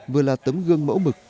vừa là tấm gương mẫu mực